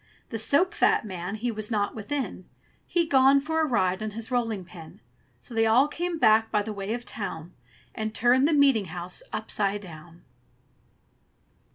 The soap fat man he was not within: He'd gone for a ride on his rolling pin. So they all came back by the way of the town, And turned the meeting house upside down.